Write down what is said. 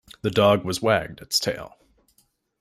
The dog was wagged its tail.